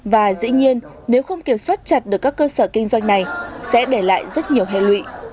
và dĩ nhiên nếu không kiểm soát chặt được các cơ sở kinh doanh này sẽ để lại rất nhiều hệ lụy